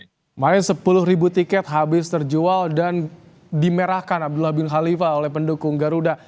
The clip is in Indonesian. kemarin sepuluh ribu tiket habis terjual dan dimerahkan abdullah bin khalifah oleh pendukung garuda